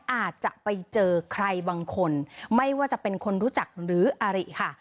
อาจจะไปเจอใครบางคนไม่ว่าจะเป็นคนรู้จักหรืออาริค่ะ